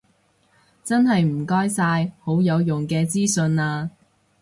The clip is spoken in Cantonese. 真係唔該晒，好有用嘅資訊啊